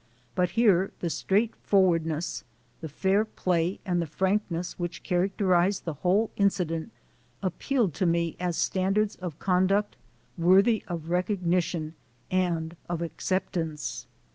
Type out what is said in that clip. But here the straight 168 THE SOUL OF AN IMMIGRANT forwardness, the fair play and the frankness which characterized the whole incident appealed to me as standards of conduct worthy of recognition and of acceptance.